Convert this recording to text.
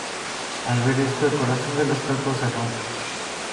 Al ver esto, el corazón de la estatua se rompe.